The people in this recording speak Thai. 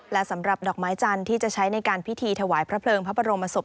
และสำหรับดอกไม้จันทร์ที่จะใช้ในการพิธีถวายพระเพลิงพระบรมศพ